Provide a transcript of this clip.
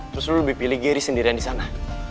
terus lo lebih pilih gary sendirian disana